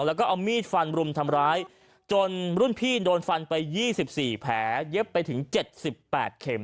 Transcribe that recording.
แล้วก็เอามีดฟันรุมทำร้ายจนรุ่นพี่โดนฟันไป๒๔แผลเย็บไปถึง๗๘เข็ม